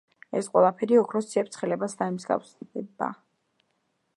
ეს ყველაფერი ოქროს ციებ-ცხელებას დაემსგავდა.